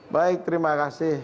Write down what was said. baik terima kasih